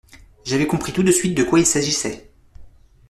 J’avais compris tout de suite de quoi il s'agissait.